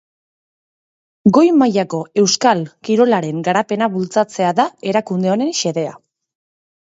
Goi-mailako euskal kirolaren garapena bultzatzea da erakunde honen xedea.